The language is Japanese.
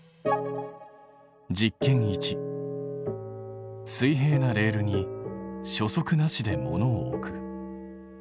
実験１水平なレールに初速なしで物を置く。